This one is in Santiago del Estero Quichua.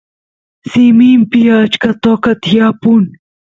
simimpi achka toqa tiyapun